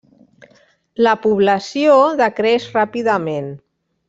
La població decreix ràpidament.